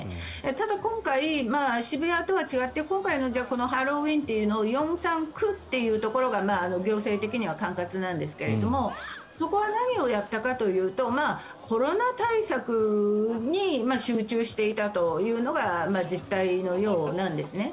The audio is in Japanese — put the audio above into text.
ただ、今回、渋谷とは違って今回のハロウィーンというのは龍山区というところが行政的には管轄なんですがそこは何をやったかというとコロナ対策に集中していたというのが実態のようなんですね。